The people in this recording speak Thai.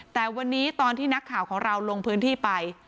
แต่วันนี้ตอนที่นักข่าวของเราลงพื้นที่ไป